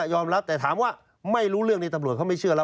ยอมรับแต่ถามว่าไม่รู้เรื่องนี้ตำรวจเขาไม่เชื่อแล้ว